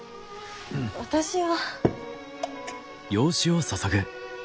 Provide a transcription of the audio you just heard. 私は。